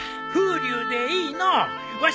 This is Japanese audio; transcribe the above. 風流でいいのう。